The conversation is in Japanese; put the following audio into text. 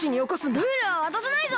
ムールはわたさないぞ！